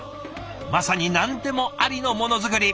まさに何でもありのものづくり。